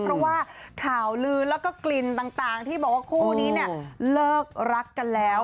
เพราะว่าข่าวลือแล้วก็กลิ่นต่างที่บอกว่าคู่นี้เนี่ยเลิกรักกันแล้ว